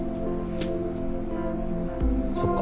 そっか。